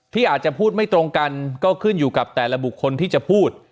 ที่อาจจะพูดไม่ตรงกันก็ขึ้นอยู่กับแต่ละบุคคลที่จะพูด